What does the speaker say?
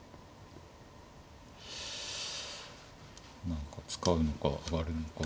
何か使うのか上がるのか。